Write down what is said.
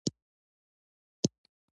په مرئیتوب کې تولید د پلورلو لپاره هم و.